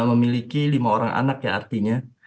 memiliki lima orang anak ya artinya